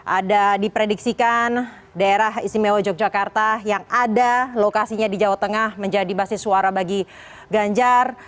ada diprediksikan daerah istimewa yogyakarta yang ada lokasinya di jawa tengah menjadi basis suara bagi ganjar